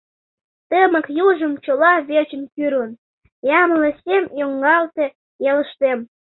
Тымык южым чыла вечын кӱрлын, Ямле сем йоҥгалте ялыштем.